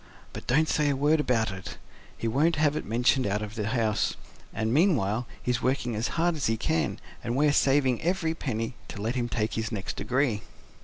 But don't say a word about it; he won't have it mentioned out of the house. And meanwhile he's working as hard as he can, and we're saving every penny, to let him take his next degree."